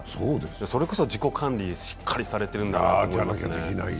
それこそ自己管理、しっかりされてるんだと思いますね。